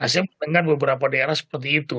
saya mendengar beberapa daerah seperti itu